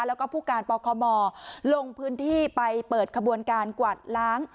แล้วก็ผู้การปคมลงพื้นที่ไปเปิดขบวนการกวาดล้าง